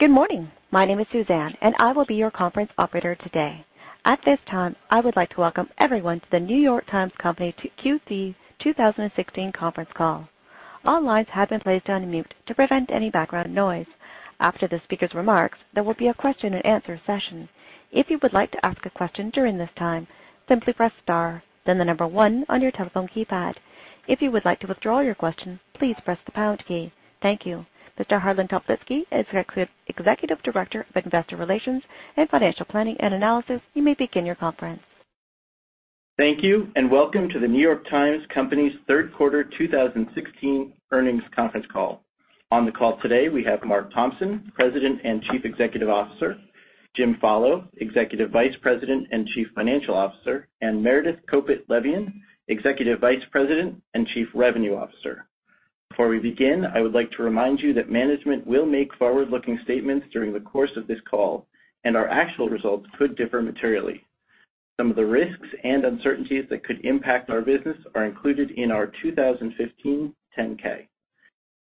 Good morning. My name is Suzanne, and I will be your conference operator today. At this time, I would like to welcome everyone to The New York Times Company Q3 2016 conference call. All lines have been placed on mute to prevent any background noise. After the speaker's remarks, there will be a question and answer session. If you would like to ask a question during this time, simply press star, then the number one on your telephone keypad. If you would like to withdraw your question, please press the pound key. Thank you. Mr. Harlan Toplitzky is Executive Director of Investor Relations and Financial Planning & Analysis. You may begin your conference. Thank you, and welcome to The New York Times Company's third quarter 2016 earnings conference call. On the call today, we have Mark Thompson, President and Chief Executive Officer, James Follo, Executive Vice President and Chief Financial Officer, and Meredith Kopit Levien, Executive Vice President and Chief Revenue Officer. Before we begin, I would like to remind you that management will make forward-looking statements during the course of this call, and our actual results could differ materially. Some of the risks and uncertainties that could impact our business are included in our 2015 10-K.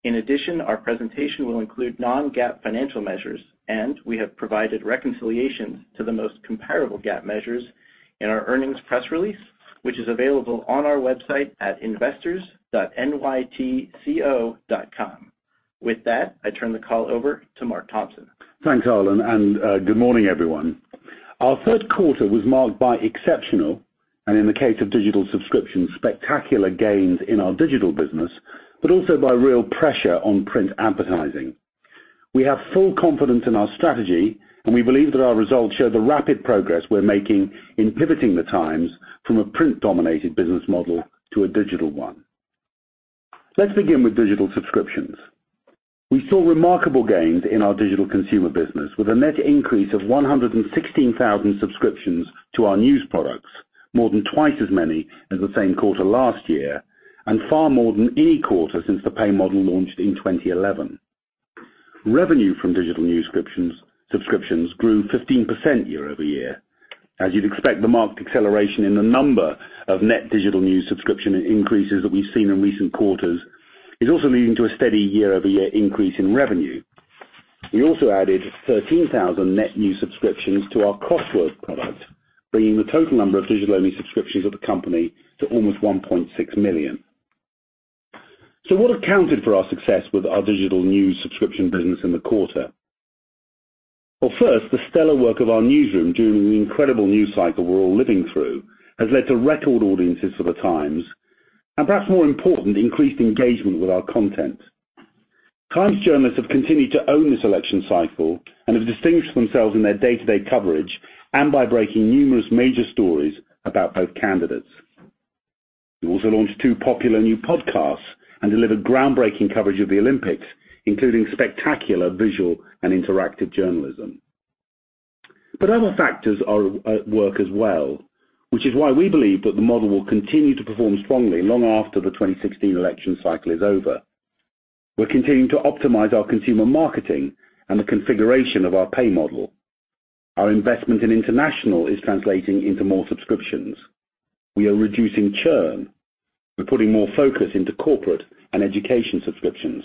In addition, our presentation will include non-GAAP financial measures, and we have provided reconciliations to the most comparable GAAP measures in our earnings press release, which is available on our website at investors.nytco.com. With that, I turn the call over to Mark Thompson. Thanks, Harlan, and good morning, everyone. Our third quarter was marked by exceptional, and in the case of digital subscription, spectacular gains in our digital business, but also by real pressure on print advertising. We have full confidence in our strategy, and we believe that our results show the rapid progress we're making in pivoting The Times from a print-dominated business model to a digital one. Let's begin with digital subscriptions. We saw remarkable gains in our digital consumer business with a net increase of 116,000 subscriptions to our news products, more than twice as many as the same quarter last year, and far more than any quarter since the pay model launched in 2011. Revenue from digital news subscriptions grew 15% year-over-year. As you'd expect, the marked acceleration in the number of net digital news subscription increases that we've seen in recent quarters is also leading to a steady year-over-year increase in revenue. We also added 13,000 net new subscriptions to our Crossword product, bringing the total number of digital-only subscriptions of the company to almost 1.6 million. What accounted for our success with our digital news subscription business in the quarter? Well, first, the stellar work of our newsroom during the incredible news cycle we're all living through has led to record audiences for The Times, and perhaps more importantly, increased engagement with our content. Times journalists have continued to own this election cycle and have distinguished themselves in their day-to-day coverage and by breaking numerous major stories about both candidates. We also launched two popular new podcasts and delivered groundbreaking coverage of the Olympics, including spectacular visual and interactive journalism. Other factors are at work as well, which is why we believe that the model will continue to perform strongly long after the 2016 election cycle is over. We're continuing to optimize our consumer marketing and the configuration of our pay model. Our investment in international is translating into more subscriptions. We are reducing churn. We're putting more focus into corporate and education subscriptions.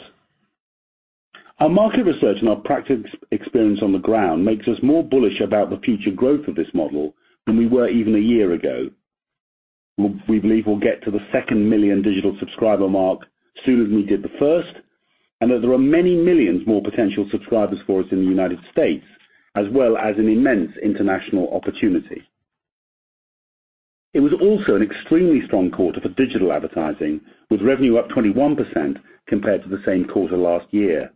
Our market research and our practice experience on the ground makes us more bullish about the future growth of this model than we were even a year ago. We believe we'll get to the second million digital subscriber mark sooner than we did the first, and that there are many millions more potential subscribers for us in the United States, as well as an immense international opportunity. It was also an extremely strong quarter for digital advertising, with revenue up 21% compared to the same quarter last year.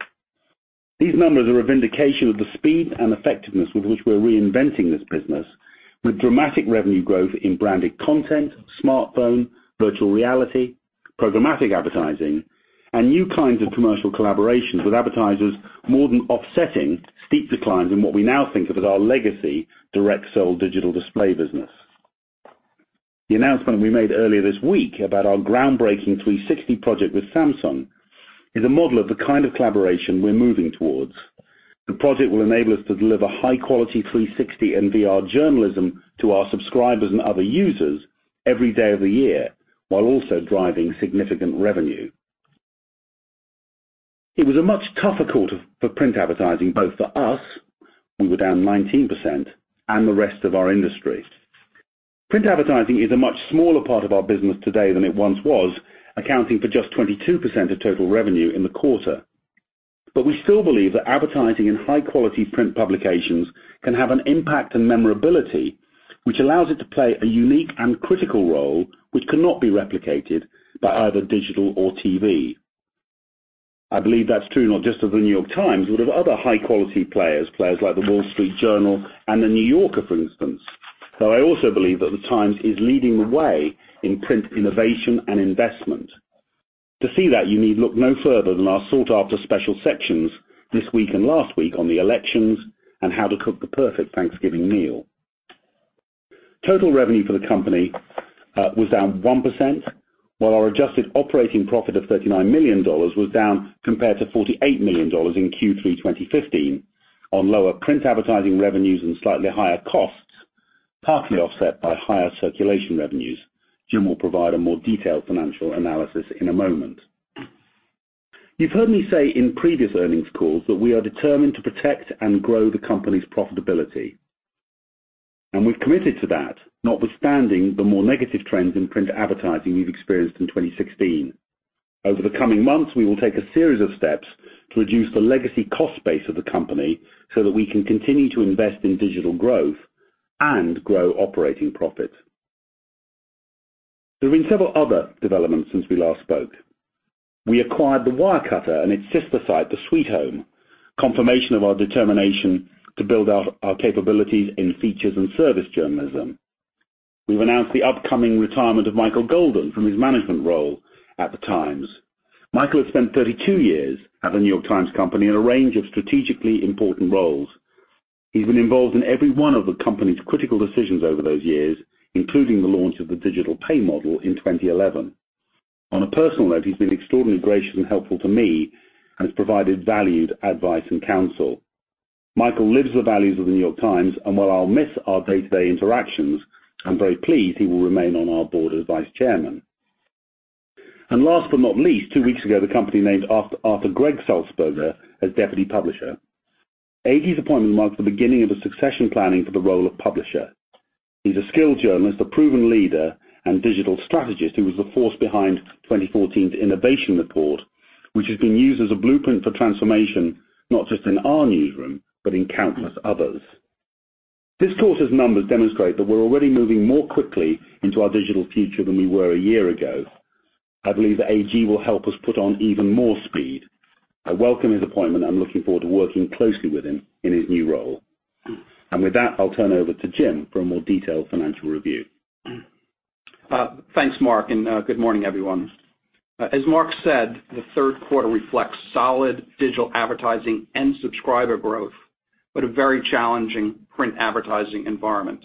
These numbers are a vindication of the speed and effectiveness with which we're reinventing this business, with dramatic revenue growth in branded content, smartphone, virtual reality, programmatic advertising, and new kinds of commercial collaborations with advertisers more than offsetting steep declines in what we now think of as our legacy direct sold digital display business. The announcement we made earlier this week about our groundbreaking 360 project with Samsung is a model of the kind of collaboration we're moving towards. The project will enable us to deliver high quality 360 and VR journalism to our subscribers and other users every day of the year, while also driving significant revenue. It was a much tougher quarter for print advertising, both for us, we were down 19%, and the rest of our industry. Print advertising is a much smaller part of our business today than it once was, accounting for just 22% of total revenue in the quarter. We still believe that advertising in high quality print publications can have an impact and memorability, which allows it to play a unique and critical role which cannot be replicated by either digital or TV. I believe that's true not just of The New York Times, but of other high quality players like The Wall Street Journal and The New Yorker, for instance. Though I also believe that The Times is leading the way in print innovation and investment. To see that, you need look no further than our sought-after special sections this week and last week on the elections and how to cook the perfect Thanksgiving meal. Total revenue for the company was down 1%, while our adjusted operating profit of $39 million was down compared to $48 million in Q3 2015 on lower print advertising revenues and slightly higher costs. Partly offset by higher circulation revenues. Jim will provide a more detailed financial analysis in a moment. You've heard me say in previous earnings calls that we are determined to protect and grow the company's profitability, and we've committed to that, notwithstanding the more negative trends in print advertising we've experienced in 2016. Over the coming months, we will take a series of steps to reduce the legacy cost base of the company so that we can continue to invest in digital growth and grow operating profit. There have been several other developments since we last spoke. We acquired the Wirecutter and its sister site, The Sweethome, confirmation of our determination to build our capabilities in features and service journalism. We've announced the upcoming retirement of Michael Golden from his management role at the Times. Michael has spent 32 years at the New York Times Company in a range of strategically important roles. He's been involved in every one of the company's critical decisions over those years, including the launch of the digital pay model in 2011. On a personal note, he's been extraordinarily gracious and helpful to me and has provided valued advice and counsel. Michael lives the values of The New York Times, and while I'll miss our day-to-day interactions, I'm very pleased he will remain on our board as Vice Chairman. Last but not least, two weeks ago, the company named Arthur Gregg Sulzberger as Deputy Publisher. AG's appointment marks the beginning of a succession planning for the role of publisher. He's a skilled journalist, a proven leader, and digital strategist who was the force behind 2014's innovation report, which has been used as a blueprint for transformation, not just in our newsroom, but in countless others. This quarter's numbers demonstrate that we're already moving more quickly into our digital future than we were a year ago. I believe that AG will help us put on even more speed. I welcome his appointment and I'm looking forward to working closely with him in his new role. With that, I'll turn over to Jim for a more detailed financial review. Thanks, Mark, and good morning, everyone. As Mark said, the third quarter reflects solid digital advertising and subscriber growth, but a very challenging print advertising environment.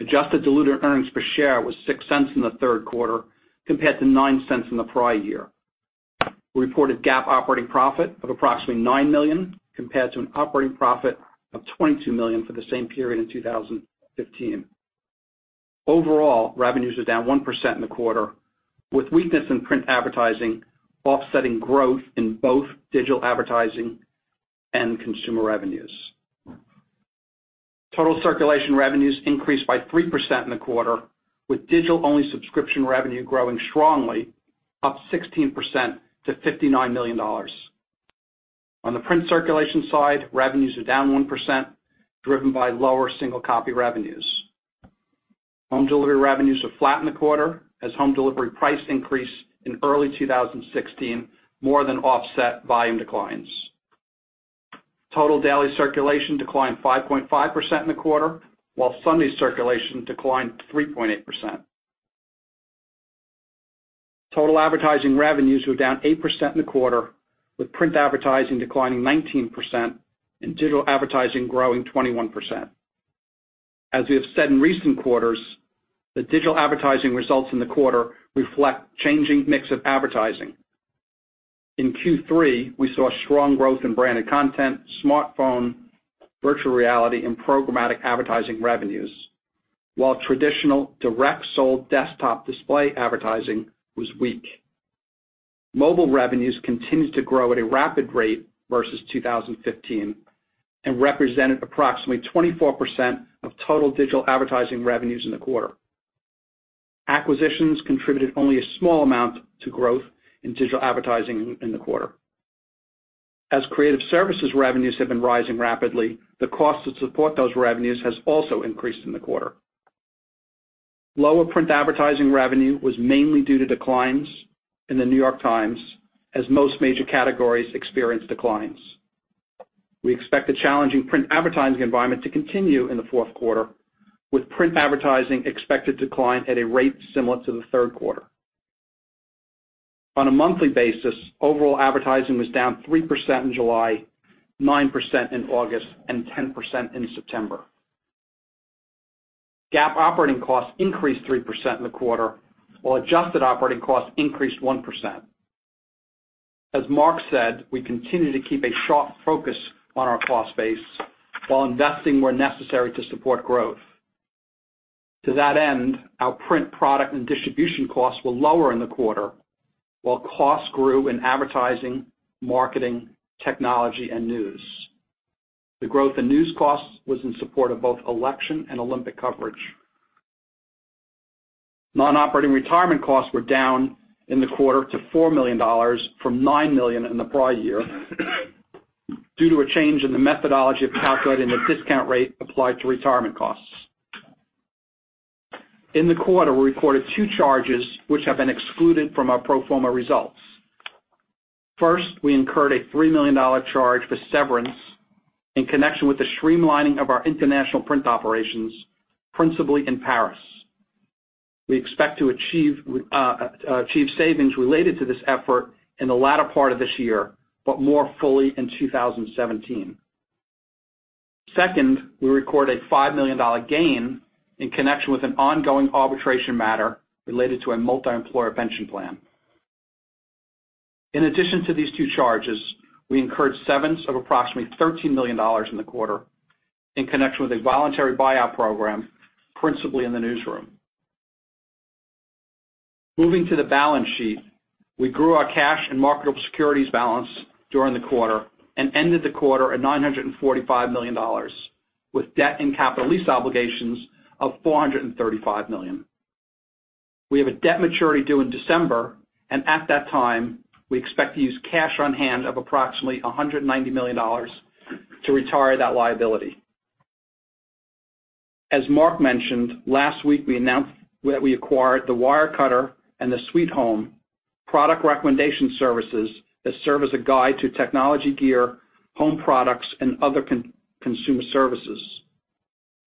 Adjusted diluted earnings per share was $0.06 in the third quarter compared to $0.09 in the prior year. We reported GAAP operating profit of approximately $9 million compared to an operating profit of $22 million for the same period in 2015. Overall, revenues are down 1% in the quarter, with weakness in print advertising offsetting growth in both digital advertising and consumer revenues. Total circulation revenues increased by 3% in the quarter, with digital-only subscription revenue growing strongly, up 16% to $59 million. On the print circulation side, revenues are down 1%, driven by lower single copy revenues. Home delivery revenues are flat in the quarter as home delivery price increase in early 2016 more than offset volume declines. Total daily circulation declined 5.5% in the quarter, while Sunday circulation declined 3.8%. Total advertising revenues were down 8% in the quarter, with print advertising declining 19% and digital advertising growing 21%. As we have said in recent quarters, the digital advertising results in the quarter reflect changing mix of advertising. In Q3, we saw strong growth in branded content, smartphone, virtual reality, and programmatic advertising revenues. While traditional direct sold desktop display advertising was weak. Mobile revenues continued to grow at a rapid rate versus 2015 and represented approximately 24% of total digital advertising revenues in the quarter. Acquisitions contributed only a small amount to growth in digital advertising in the quarter. As creative services revenues have been rising rapidly, the cost to support those revenues has also increased in the quarter. Lower print advertising revenue was mainly due to declines in The New York Times, as most major categories experienced declines. We expect the challenging print advertising environment to continue in the fourth quarter, with print advertising expected to decline at a rate similar to the third quarter. On a monthly basis, overall advertising was down 3% in July, 9% in August, and 10% in September. GAAP operating costs increased 3% in the quarter, while adjusted operating costs increased 1%. As Mark said, we continue to keep a sharp focus on our cost base while investing where necessary to support growth. To that end, our print product and distribution costs were lower in the quarter, while costs grew in advertising, marketing, technology, and news. The growth in news costs was in support of both election and Olympic coverage. Non-operating retirement costs were down in the quarter to $4 million from $9 million in the prior year due to a change in the methodology of calculating the discount rate applied to retirement costs. In the quarter, we recorded two charges, which have been excluded from our pro forma results. First, we incurred a $3 million charge for severance in connection with the streamlining of our international print operations, principally in Paris. We expect to achieve savings related to this effort in the latter part of this year, but more fully in 2017. Second, we record a $5 million gain in connection with an ongoing arbitration matter related to a multi-employer pension plan. In addition to these two charges, we incurred severance of approximately $13 million in the quarter in connection with a voluntary buyout program, principally in the newsroom. Moving to the balance sheet, we grew our cash and marketable securities balance during the quarter and ended the quarter at $945 million, with debt and capital lease obligations of $435 million. We have a debt maturity due in December, and at that time, we expect to use cash on hand of approximately $190 million to retire that liability. As Mark mentioned, last week we announced that we acquired the Wirecutter and The Sweethome product recommendation services that serve as a guide to technology gear, home products, and other consumer services.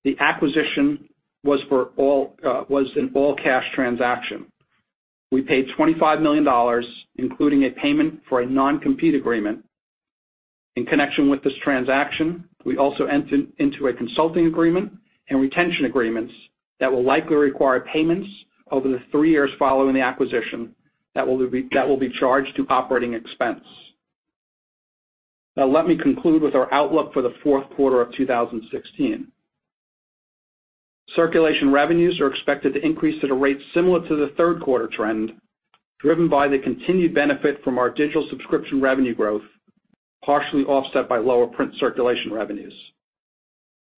The acquisition was an all-cash transaction. We paid $25 million, including a payment for a non-compete agreement. In connection with this transaction, we also entered into a consulting agreement and retention agreements that will likely require payments over the three years following the acquisition that will be charged to operating expense. Now, let me conclude with our outlook for the fourth quarter of 2016. Circulation revenues are expected to increase at a rate similar to the third quarter trend, driven by the continued benefit from our digital subscription revenue growth, partially offset by lower print circulation revenues.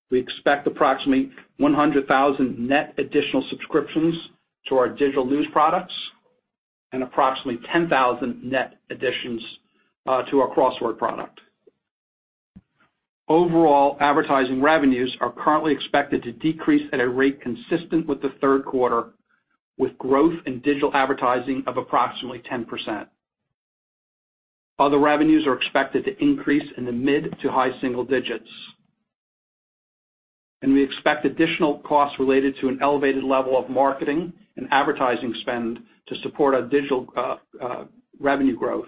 We expect approximately 100,000 net additional subscriptions to our digital news products and approximately 10,000 net additions to our Crossword product. Overall advertising revenues are currently expected to decrease at a rate consistent with the third quarter, with growth in digital advertising of approximately 10%. Other revenues are expected to increase in the mid to high single digits. We expect additional costs related to an elevated level of marketing and advertising spend to support our digital revenue growth,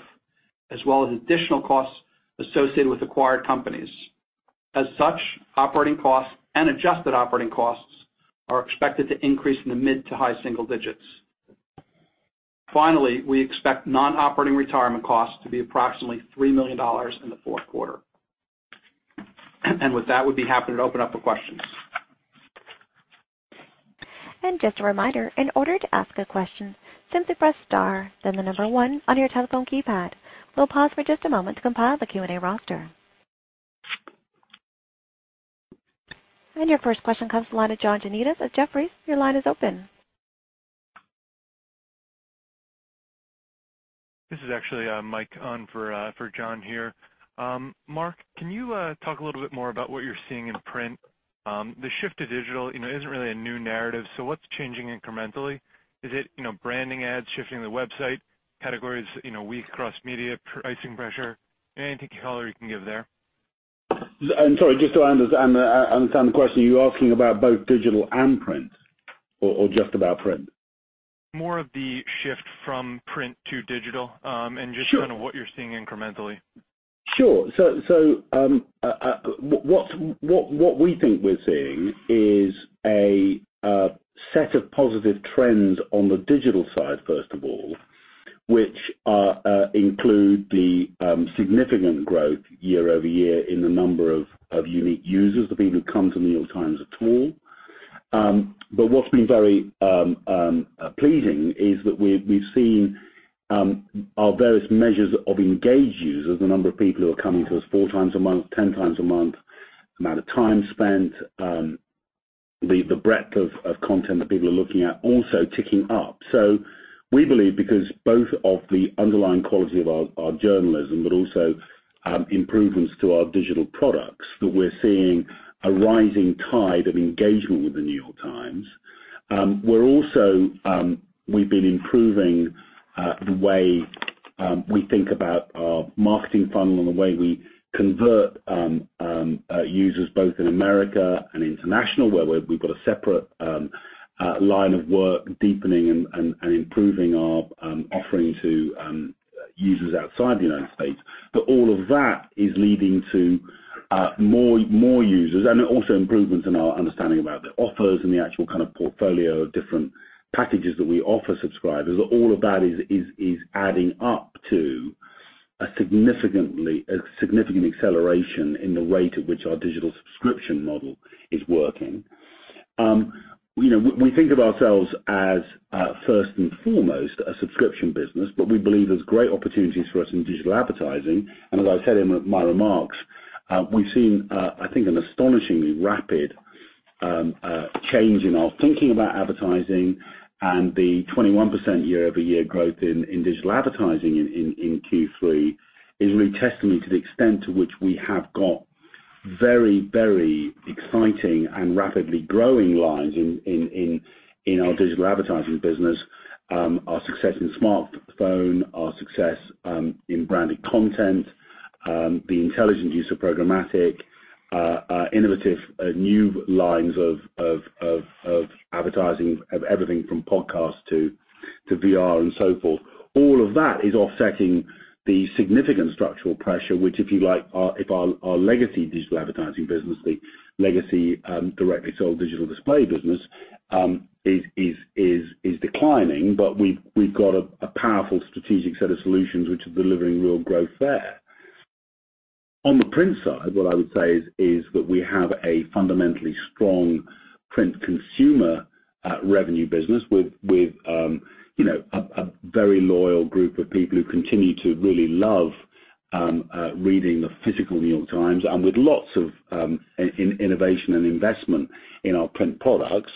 as well as additional costs associated with acquired companies. As such, operating costs and adjusted operating costs are expected to increase in the mid to high single digits. Finally, we expect non-operating retirement costs to be approximately $3 million in the fourth quarter. With that, we would be happy to open up for questions. Just a reminder, in order to ask a question, simply press star, then the number one on your telephone keypad. We'll pause for just a moment to compile the Q&A roster. Your first question comes to the line of John Janedis at Jefferies. Your line is open. This is actually Mike on for John, here. Mark, can you talk a little bit more about what you're seeing in print? The shift to digital isn't really a new narrative, so what's changing incrementally? Is it branding ads shifting to the website categories, weak cross-media pricing pressure? Anything color you can give there. I'm sorry, just to understand the question, you're asking about both digital and print or just about print? More of the shift from print to digital. Sure. Kind of what you're seeing incrementally. Sure. What we think we're seeing is a set of positive trends on the digital side, first of all, which include the significant growth year-over-year in the number of unique users, the people who come to The New York Times at all. What's been very pleasing is that we've seen our various measures of engaged users, the number of people who are coming to us 4x a month, 10x a month, amount of time spent, the breadth of content that people are looking at also ticking up. We believe because both of the underlying quality of our journalism, but also improvements to our digital products, that we're seeing a rising tide of engagement with The New York Times. We've been improving the way we think about our marketing funnel and the way we convert users, both in America and international, where we've got a separate line of work deepening and improving our offering to users outside the United States. All of that is leading to more users and also improvements in our understanding about the offers and the actual kind of portfolio of different packages that we offer subscribers. All of that is adding up to a significant acceleration in the rate at which our digital subscription model is working. We think of ourselves as, first and foremost, a subscription business, but we believe there's great opportunities for us in digital advertising. As I said in my remarks, we've seen, I think, an astonishingly rapid change in our thinking about advertising and the 21% year-over-year growth in digital advertising in Q3 is really testament to the extent to which we have got very exciting and rapidly growing lines in our digital advertising business. Our success in smartphone, our success in branded content, the intelligent use of programmatic, innovative new lines of advertising, of everything from podcasts to VR and so forth. All of that is offsetting the significant structural pressure, which, if you like, if our legacy digital advertising business, the legacy directly sold digital display business, is declining, but we've got a powerful strategic set of solutions which are delivering real growth there. On the print side, what I would say is that we have a fundamentally strong print consumer revenue business with a very loyal group of people who continue to really love reading the physical "The New York Times" and with lots of innovation and investment in our print products.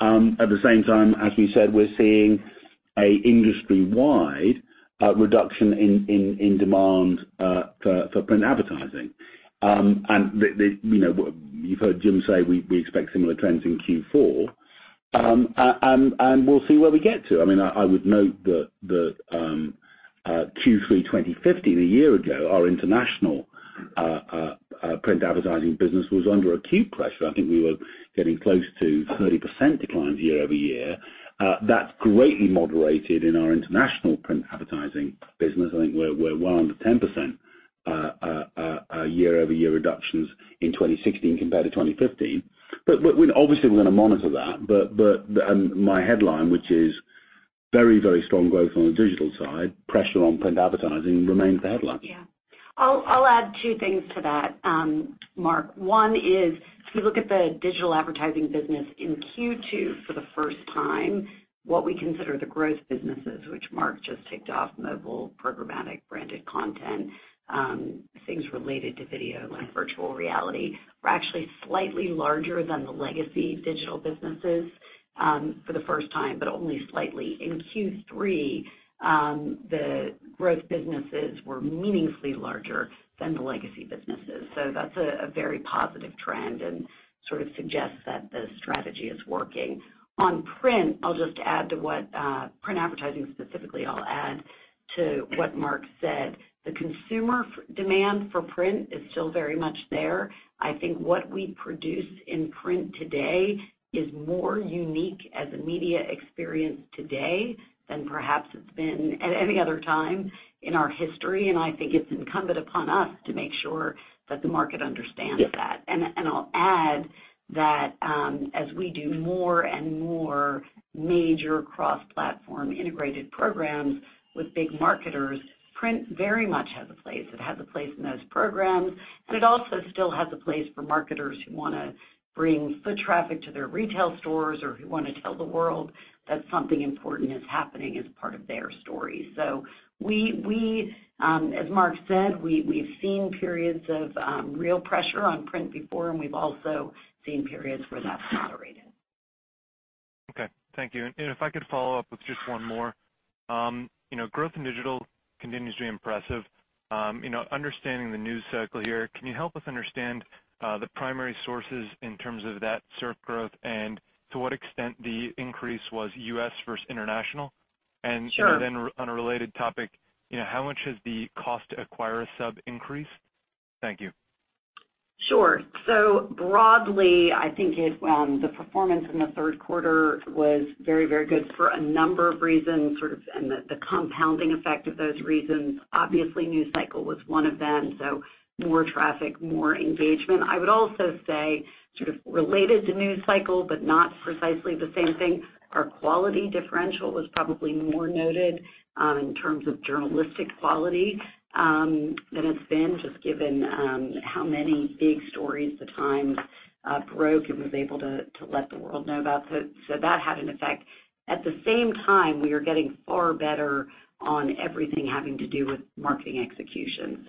At the same time, as we said, we're seeing an industry-wide reduction in demand for print advertising. You've heard Jim say we expect similar trends in Q4. We'll see where we get to. I would note that Q3 2015, a year ago, our international print advertising business was under acute pressure. I think we were getting close to 30% declines year-over-year. That's greatly moderated in our international print advertising business. I think we're well under 10% year-over-year reductions in 2016 compared to 2015. Obviously, we're going to monitor that. My headline, which is very, very strong growth on the digital side, pressure on print advertising remains the headline. Yeah. I'll add two things to that, Mark. One is if you look at the digital advertising business in Q2 for the first time, what we consider the growth businesses, which Mark just ticked off, mobile, programmatic, branded content, things related to video like virtual reality, were actually slightly larger than the legacy digital businesses for the first time, but only slightly. In Q3, the growth businesses were meaningfully larger than the legacy businesses. That's a very positive trend and sort of suggests that the strategy is working. On print advertising specifically, I'll just add to what Mark said. The consumer demand for print is still very much there. I think what we produce in print today is more unique as a media experience today than perhaps it's been at any other time in our history, and I think it's incumbent upon us to make sure that the market understands that. Yes. I'll add that as we do more and more major cross-platform integrated programs with big marketers, print very much has a place. It has a place in those programs, and it also still has a place for marketers who want to bring foot traffic to their retail stores or who want to tell the world that something important is happening as part of their story. As Mark said, we've seen periods of real pressure on print before, and we've also seen periods where that's moderated. Okay. Thank you. If I could follow up with just one more. Growth in digital continues to be impressive. Understanding the news cycle here, can you help us understand the primary sources in terms of that sub growth and to what extent the increase was U.S. versus international? Sure. On a related topic, how much has the cost to acquire a sub increased? Thank you. Sure. Broadly, I think the performance in the third quarter was very, very good for a number of reasons, and the compounding effect of those reasons. Obviously, news cycle was one of them, so more traffic, more engagement. I would also say sort of related to news cycle, but not precisely the same thing, our quality differential was probably more noted in terms of journalistic quality than it's been, just given how many big stories The Times broke and was able to let the world know about. That had an effect. At the same time, we are getting far better on everything having to do with marketing execution.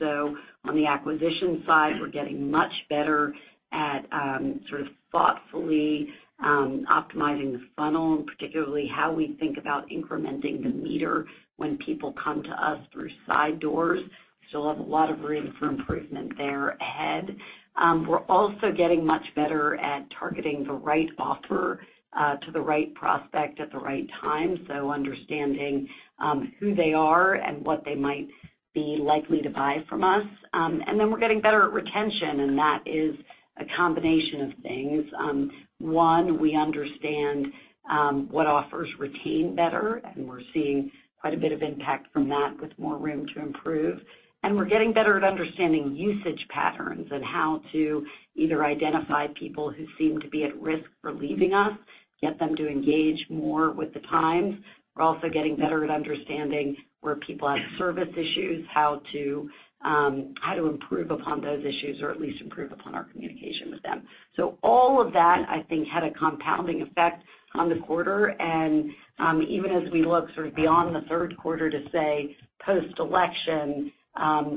On the acquisition side, we're getting much better at thoughtfully optimizing the funnel, and particularly how we think about incrementing the meter when people come to us through side doors. We still have a lot of room for improvement there ahead. We're also getting much better at targeting the right offer to the right prospect at the right time, so understanding who they are and what they might be likely to buy from us. We're getting better at retention, and that is a combination of things. One, we understand what offers retain better, and we're seeing quite a bit of impact from that with more room to improve. We're getting better at understanding usage patterns and how to either identify people who seem to be at risk for leaving us, get them to engage more with The Times. We're also getting better at understanding where people have service issues, how to improve upon those issues, or at least improve upon our communication with them. All of that, I think, had a compounding effect on the quarter. Even as we look sort of beyond the third quarter to, say, post-election,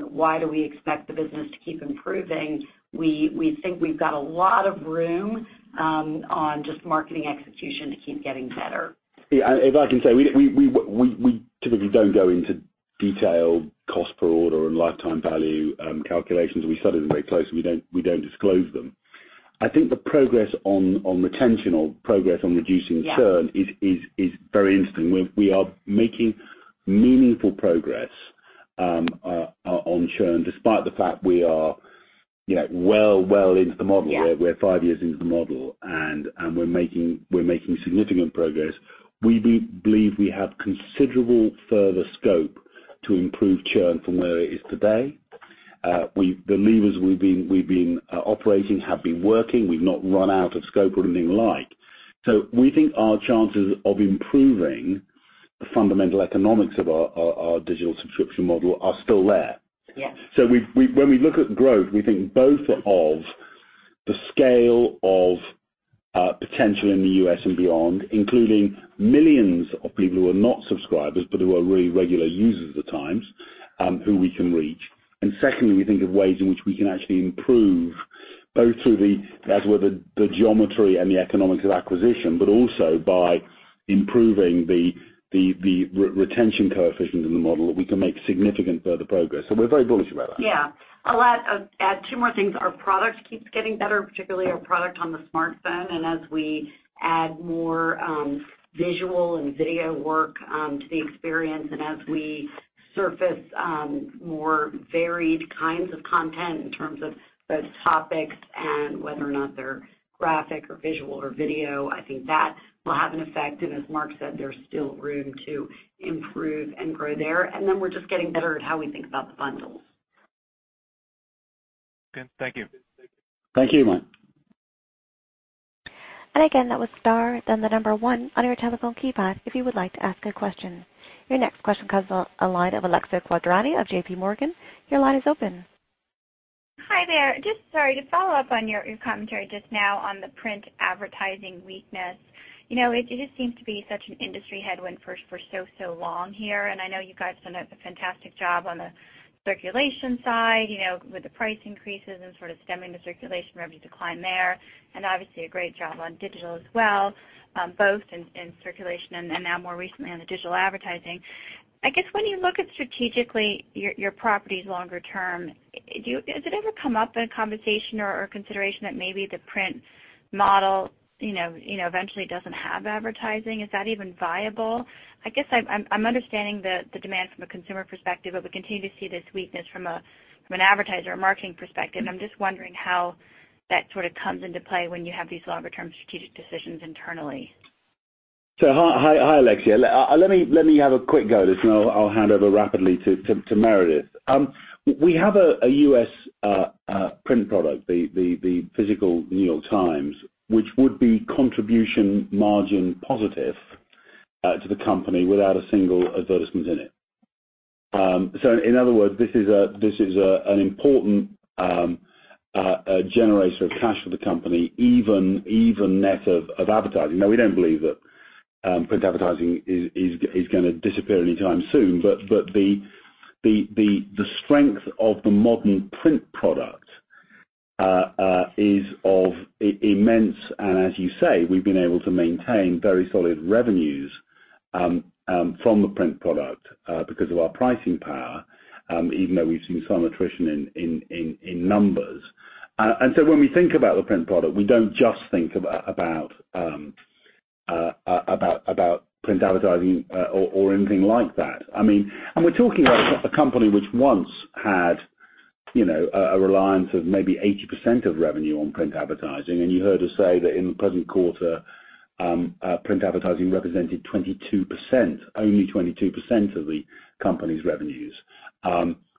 why do we expect the business to keep improving? We think we've got a lot of room on just marketing execution to keep getting better. If I can say, we typically don't go into detailed cost per order and lifetime value calculations. We study them very closely. We don't disclose them. I think the progress on retention or progress on reducing churn is very interesting. We are making meaningful progress on churn, despite the fact we are well into the model. Yeah. We're five years into the model, and we're making significant progress. We believe we have considerable further scope to improve churn from where it is today. The levers we've been operating have been working. We've not run out of scope or anything like. We think our chances of improving the fundamental economics of our digital subscription model are still there. Yes. When we look at growth, we think both of the scale of potential in the U.S. and beyond, including millions of people who are not subscribers, but who are really regular users of The Times, who we can reach. Secondly, we think of ways in which we can actually improve both through the geometry and the economics of acquisition, but also by improving the retention coefficient in the model that we can make significant further progress. We're very bullish about that. Yeah. I'll add two more things. Our product keeps getting better, particularly our product on the smartphone, and as we add more visual and video work to the experience, and as we surface more varied kinds of content in terms of both topics and whether or not they're graphic or visual or video, I think that will have an effect. As Mark said, there's still room to improve and grow there. We're just getting better at how we think about the bundles. Okay, thank you. Thank you, Mike. Again, that was star, then the number one on your telephone keypad if you would like to ask a question. Your next question comes on the line of Alexia Quadrani of JPMorgan. Your line is open. Hi there. Just sorry to follow up on your commentary just now on the print advertising weakness. It just seems to be such an industry headwind for so long here, and I know you guys done a fantastic job on the circulation side, with the price increases and sort of stemming the circulation revenue decline there, and obviously a great job on digital as well, both in circulation and now more recently on the digital advertising. I guess when you look at strategically your properties longer term, does it ever come up in a conversation or a consideration that maybe the print model eventually doesn't have advertising? Is that even viable? I guess I'm understanding the demand from a consumer perspective, but we continue to see this weakness from an advertiser or marketing perspective, and I'm just wondering how that sort of comes into play when you have these longer-term strategic decisions internally. Hi, Alexia. Let me have a quick go at this, and then I'll hand over rapidly to Meredith. We have a U.S. print product, the physical New York Times, which would be contribution margin positive to the company without a single advertisement in it. In other words, this is an important generator of cash for the company, even net of advertising. Now we don't believe that print advertising is going to disappear anytime soon, but the strength of the modern print product is immense, and as you say, we've been able to maintain very solid revenues from the print product because of our pricing power, even though we've seen some attrition in numbers. When we think about the print product, we don't just think about print advertising or anything like that. We're talking about a company which once had a reliance of maybe 80% of revenue on print advertising, and you heard us say that in the present quarter, print advertising represented 22%, only 22% of the company's revenues.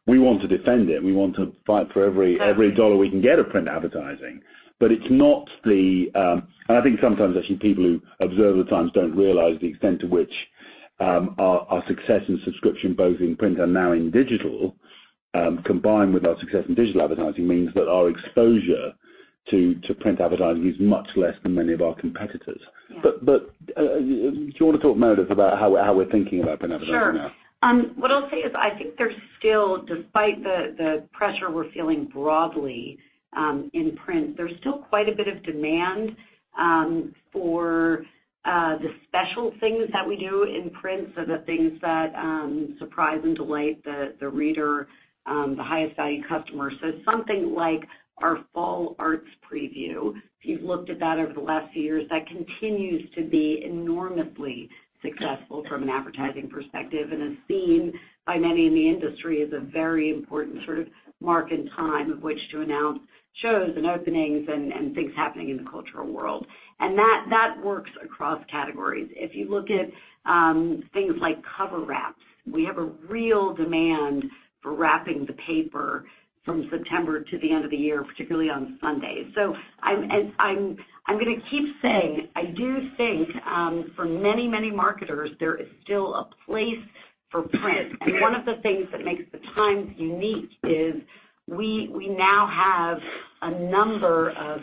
We want to defend it, and we want to fight for every dollar we can get of print advertising, but it's not the. I think sometimes actually, people who observe The Times don't realize the extent to which our success in subscription, both in print and now in digital, combined with our success in digital advertising means that our exposure to print advertising is much less than many of our competitors. Yeah. Do you want to talk, Meredith, about how we're thinking about print advertising now? Sure. What I'll say is I think there's still, despite the pressure we're feeling broadly in print, there's still quite a bit of demand for the special things that we do in print, so the things that surprise and delight the reader, the highest value customer. Something like our Fall Arts Preview, if you've looked at that over the last few years, that continues to be enormously successful from an advertising perspective and is seen by many in the industry as a very important sort of mark in time of which to announce shows and openings and things happening in the cultural world. That works across categories. If you look at things like cover wraps, we have a real demand for wrapping the paper from September to the end of the year, particularly on Sundays. I'm going to keep saying, I do think for many, many marketers, there is still a place for print. One of the things that makes The Times unique is we now have a number of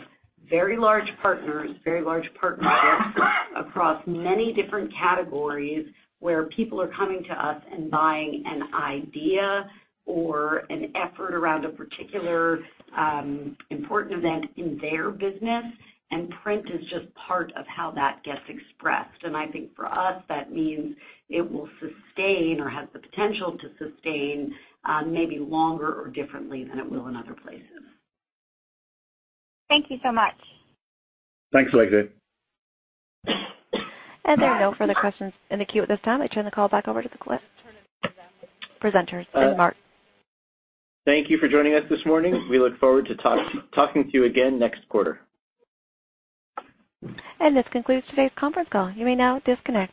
very large partners, very large partnerships across many different categories where people are coming to us and buying an idea or an effort around a particular important event in their business, and print is just part of how that gets expressed. I think for us, that means it will sustain or has the potential to sustain maybe longer or differently than it will in other places. Thank you so much. Thanks, Alexia. There are no further questions in the queue at this time. I turn the call back over to the presenters and Mark. Thank you for joining us this morning. We look forward to talking to you again next quarter. This concludes today's conference call. You may now disconnect.